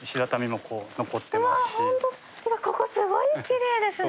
ここすごいきれいですね。